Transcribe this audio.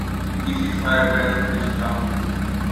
This is where branch prediction comes in.